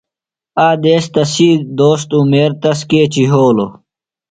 آ دیس تسی دوست عُمیر تس کیچیۡ یھولوۡ.